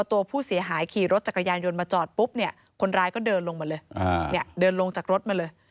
ตัวผู้เสียหายขี่รถจักรยานยนต์มาจอดปุ๊บเนี่ยคนร้ายก็เดินลงมาเลยเดินลงจากรถมาเลย